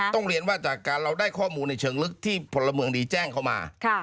ต้องเรียนว่าจากการเราได้ข้อมูลในเชิงลึกที่พลเมืองดีแจ้งเข้ามา